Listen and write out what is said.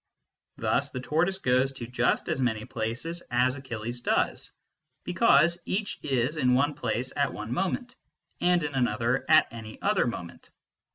Thus the tortoise goes to just as many places as Achilles does, because each is in one place at one moment, and in another at any other moment.